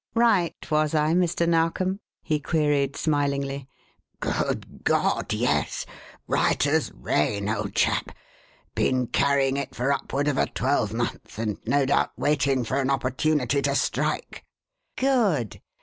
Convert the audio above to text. "Right was I, Mr. Narkom?" he queried smilingly. "Good God, yes! Right as rain, old chap. Been carrying it for upward of a twelvemonth, and no doubt waiting for an opportunity to strike." "Good!